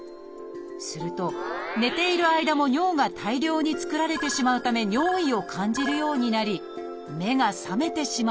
すると寝ている間も尿が大量に作られてしまうため尿意を感じるようになり目が覚めてしまうのです。